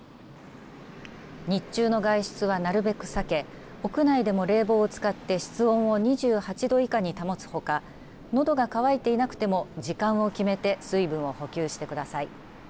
日中の外出はなるべく避け屋内でも冷房を使って室温を２８度以下に保つほかのどが乾いていなくても時間を決めて水分を補給してください。